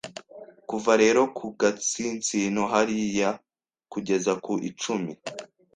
Kuva rero ku gatsinsino hariya kugeza ku icumi